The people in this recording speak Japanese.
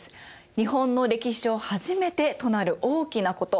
日本の歴史上初めてとなる大きなこと。